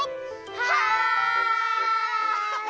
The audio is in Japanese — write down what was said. はい！